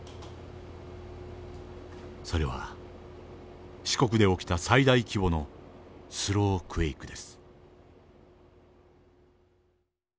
それは四国で起きた最大規模のスロークエイクです。